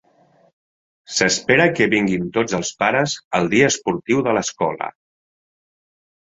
S'espera que vinguin tots els pares al dia esportiu de l'escola.